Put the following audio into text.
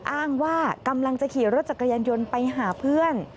อ้างว่ากำลังจะขี่รถจักรยานยนต์ไปหาเพื่อน